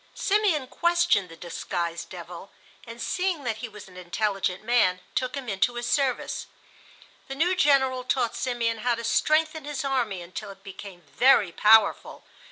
Simeon questioned the disguised devil, and seeing that he was an intelligent man took him into his service. The new General taught Simeon how to strengthen his army until it became very powerful.